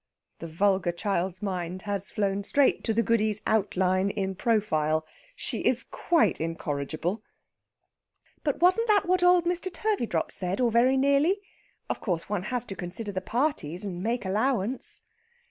The vulgar child's mind has flown straight to the Goody's outline in profile. She is quite incorrigible. "But wasn't that what old Mr. Turveydrop said, or very nearly? Of course, one has to consider the parties and make allowance."